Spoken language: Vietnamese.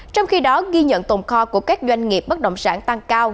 trong khi đó ghi nhận tồn kho của các doanh nghiệp bất động sản tăng cao